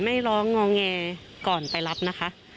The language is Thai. ไม่ร้องงอแงก่อนไปรับนะคะ